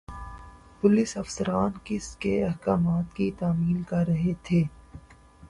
Police افسران کس کے احکامات کی تعمیل کر رہے تھے؟